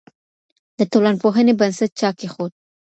د ټولنپوهنې بنسټ چا کيښود؟